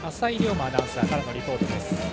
馬アナウンサーからのリポートです。